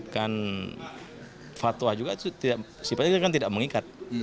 kan fatwa juga sifatnya kan tidak mengikat